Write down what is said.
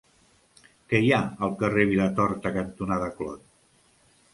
Què hi ha al carrer Vilatorta cantonada Clot?